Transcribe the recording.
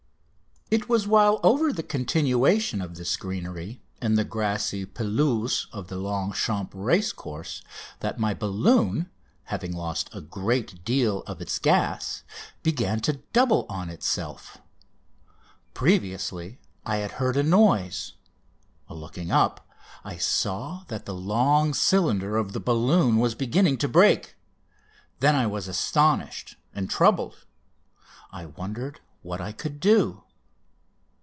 It was while over the continuation of this greenery in the grassy pelouse of the Longchamps racecourse that my balloon, having lost a great deal of its gas, began to double on itself. Previously I had heard a noise. Looking up, I saw that the long cylinder of the balloon was beginning to break. Then I was astonished and troubled. I wondered what I could do.